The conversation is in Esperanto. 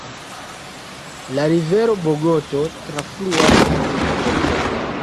La rivero Bogoto trafluas la teritorion.